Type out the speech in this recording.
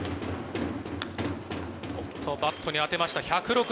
おっと、バットに当てました。